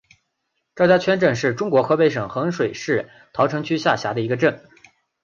赵家圈镇是中国河北省衡水市桃城区下辖的一个镇。